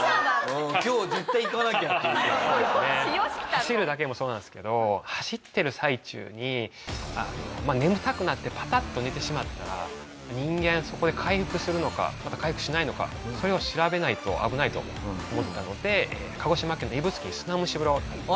走るだけでもそうなんですけど走ってる最中に眠たくなってパタッと寝てしまったら人間そこで回復するのかまた回復しないのかそれを調べないと危ないと思ったので鹿児島県の指宿に砂蒸し風呂。